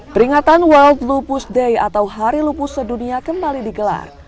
peringatan world lupus day atau hari lupus sedunia kembali digelar